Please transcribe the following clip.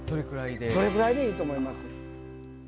それぐらいでいいと思います。